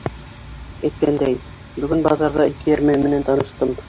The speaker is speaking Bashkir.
Әйткәндәй, бөгөн баҙарҙа ике әрмән менән таныштым.